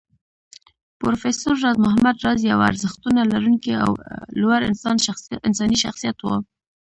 پروفېسر راز محمد راز يو ارزښتونه لرونکی او لوړ انساني شخصيت و